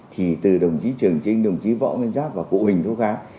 thì từ đồng chí trường trinh đồng chí võ nguyên giáp và cụ huỳnh thúc kháng